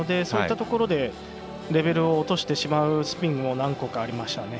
そういったところでレベルを落としてしまうスピンも何個かありました。